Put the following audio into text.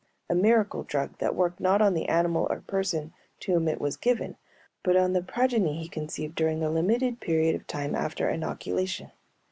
A miracle drug that worked not on the animal or person to whom it was given, but on the progeny he conceived during a limited period of time after inoculation.